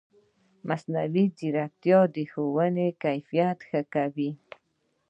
مصنوعي ځیرکتیا د ښوونې کیفیت ښه کوي.